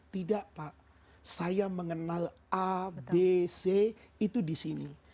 tidak pak saya mengenal a b c itu disini